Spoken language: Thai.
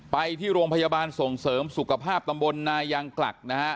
ไปที่โรงพยาบาลส่งเสริมสุขภาพตำบลนายางกลักนะฮะ